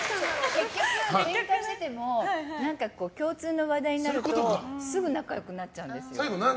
結局、ケンカしてても共通の話題になるとすぐ仲良くなっちゃうんです。